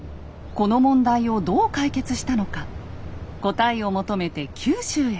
この問題をどう解決したのか答えを求めて九州へ。